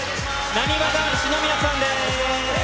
なにわ男子の皆さんです。